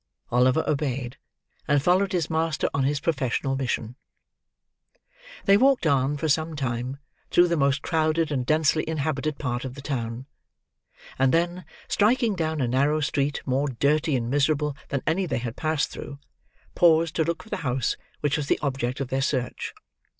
Oliver obeyed, and followed his master on his professional mission. They walked on, for some time, through the most crowded and densely inhabited part of the town; and then, striking down a narrow street more dirty and miserable than any they had yet passed through, paused to look for the house which was the object of their search.